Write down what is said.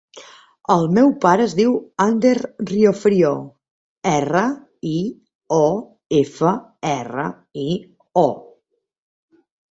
El meu pare es diu Ander Riofrio: erra, i, o, efa, erra, i, o.